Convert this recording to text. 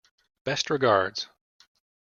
Best regards.